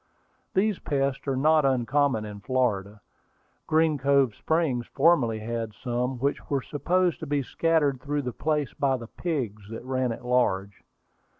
These pests are not uncommon in Florida. Green Cove Springs formerly had some, which were supposed to be scattered through the place by the pigs that ran at large.